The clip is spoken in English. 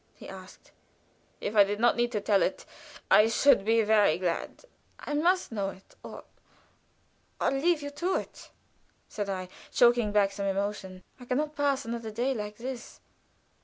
he asked. "If I did not need to tell it, I should be very glad." "I must know it, or or leave you to it!" said I, choking back some emotion. "I can not pass another day like this."